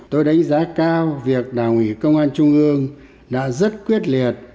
tôi đánh giá cao việc đảng ủy công an trung ương đã rất quyết liệt